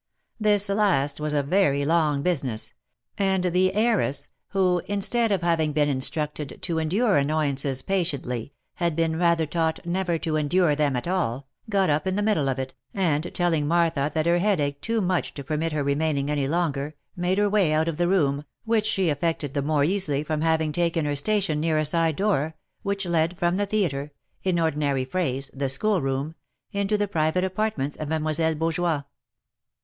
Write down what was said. This last was a very long business : and the heiress, who, instead of having been instructed to endure annoyances patiently, had been rather taught never to endure them at all, got up iti the middle of it, and telling Martha that her head ached too much to permit her re maining any longer, made her way out of the room, which she effected the more easily from having taken her station near a side door, which led from the theatre (in ordinary phrase, the school room) into the private apartments of Mademoiselle Beaujoie.